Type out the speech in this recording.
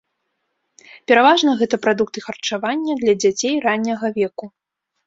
Пераважна гэта прадукты харчавання для дзяцей ранняга веку.